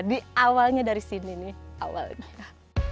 di awalnya dari sini nih awalnya kan